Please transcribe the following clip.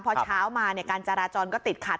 พอเช้ามาการจราจรก็ติดขัด